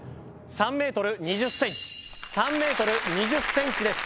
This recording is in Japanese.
３ｍ２０ｃｍ３ｍ２０ｃｍです